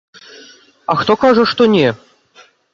А хто кажа, што не.